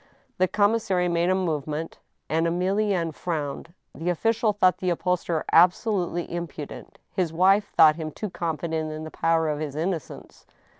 The commissary made a movement, and Emilienne frowned. The official thought the upholsterer absolutely impudent ; his wife thought him too confident in the power of his innocence.